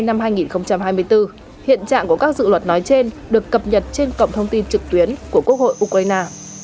năm hai nghìn hai mươi bốn hiện trạng của các dự luật nói trên được cập nhật trên cổng thông tin trực tuyến của quốc hội ukraine